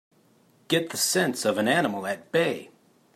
Get the sense of an animal at bay!